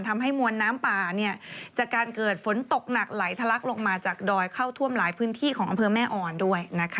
ทำให้มวลน้ำป่าจากการเกิดฝนตกหนักไหลทะลักลงมาจากดอยเข้าท่วมหลายพื้นที่ของอำเภอแม่อ่อนด้วย